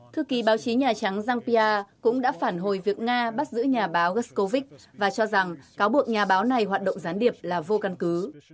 thư ký báo chí nhà trắng zealmpia cũng đã phản hồi việc nga bắt giữ nhà báo gascow và cho rằng cáo buộc nhà báo này hoạt động gián điệp là vô căn cứ